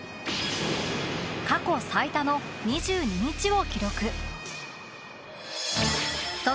過去最多の２２日を記録。